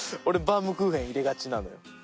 俺バウムクーヘン入れがちなのよ